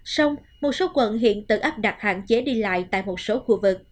xong một số quận hiện tự áp đặt hạn chế đi lại tại một số khu vực